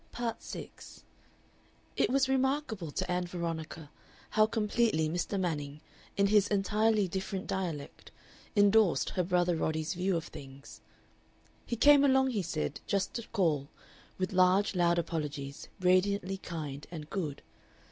Part 6 It was remarkable to Ann Veronica how completely Mr. Manning, in his entirely different dialect, indorsed her brother Roddy's view of things. He came along, he said, just to call, with large, loud apologies, radiantly kind and good.